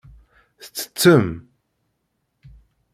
Tettettem.